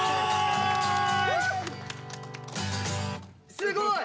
すごい！